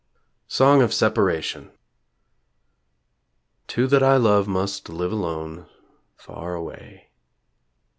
SONG OF SEPARATION Two that I love must live alone, Far away.